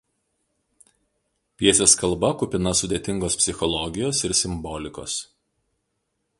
Pjesės kalba kupina sudėtingos psichologijos ir simbolikos.